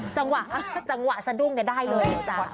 จังหวะสะดุงได้เลย